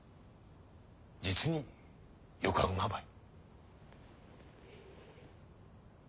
実によか馬ばい。